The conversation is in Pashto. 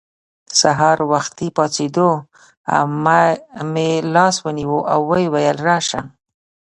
سهار وختي پاڅېدو. عمه مې لاس ونیو او ویې ویل:راشه